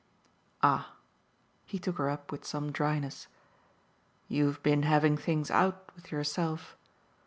"Ah" he took her up with some dryness "you've been having things out with yourself?"